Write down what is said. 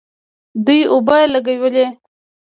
دوی اوبه لګولې.